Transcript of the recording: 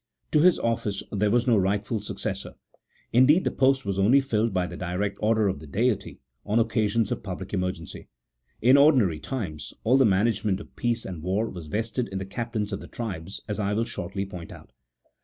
To his office there was no rightful successor — indeed, the post was only filled by the direct order of the Deity, on oc casions of public emergency. In ordinary times, all the management of peace and war was vested in the captains of the tribes, as I will shortly point out.